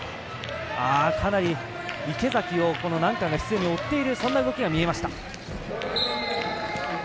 かなり池崎をナンカンが執ように追っている動きがありました。